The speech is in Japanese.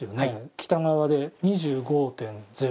北側で２５．０。